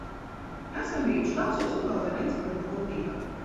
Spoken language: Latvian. Esam bijuši Talsos, Ugālē, Ventspilī un Kuldīgā.